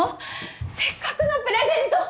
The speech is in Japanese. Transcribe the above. せっかくのプレゼント！